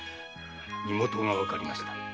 身元が判りました。